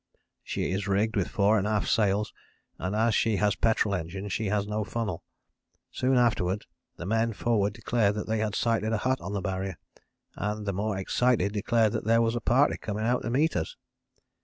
"She is rigged with fore and aft sails and as she has petrol engines she has no funnel. Soon afterwards the men forward declared that they sighted a hut on the Barrier, and the more excited declared that there was a party coming out to meet us.